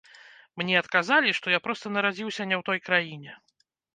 Мне адказалі, што я проста нарадзіўся не ў той краіне.